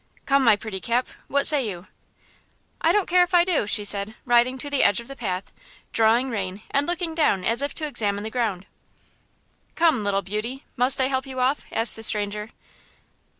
"Come, my pretty Cap, what say you?" "I don't care if I do," she said, riding to the edge of the path, drawing rein and looking down as if to examine the ground. "Come, little beauty, must I help you off?" asked the stranger.